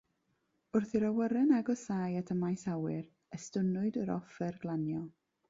Wrth i'r awyren agosáu at y maes awyr, estynnwyd yr offer glanio.